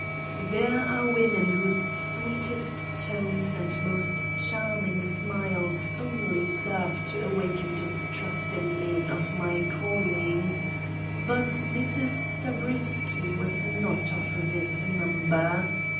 There are women whose sweetest tones and most charming smiles only serve to awaken distrust in men of my calling; but Mrs. Zabriskie was not of this number.